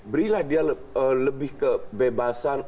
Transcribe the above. berilah dia lebih kebebasan